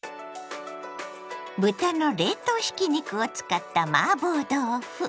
豚の冷凍ひき肉を使ったマーボー豆腐。